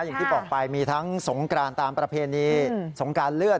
อย่างที่บอกไปมีทั้งสงกรานตามประเพณีสงกรานเลือด